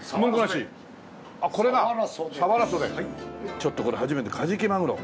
ちょっとこれ初めてカジキマグロ。